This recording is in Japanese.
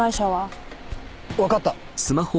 分かった。